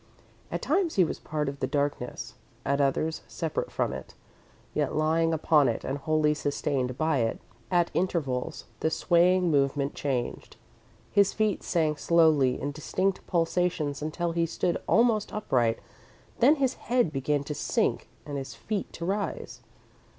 At times he was part of the darkness, at others, separate from it, yet lying upon it and wholly sustained by it. At intervals, the swaying movement changed. His feet sank slowly in distinct pulsations until he stood almost upright, then his head began to sink and his feet to rise.